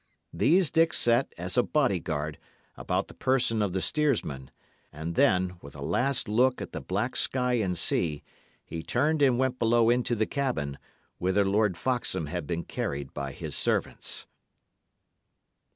These Dick set, as a body guard, about the person of the steersman, and then, with a last look at the black sky and sea, he turned and went below into the cabin, whither Lord Foxham had been carried by his servants.